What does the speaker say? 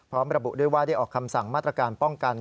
พร้อมระบุด้วยว่าได้ออกคำสั่งมาตรการป้องกัน